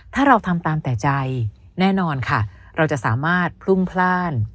ถ้าเราทำตามแต่ใจแน่นอนค่ะเราจะสามารถพรุ่งพลาด